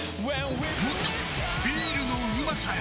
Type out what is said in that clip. もっとビールのうまさへ！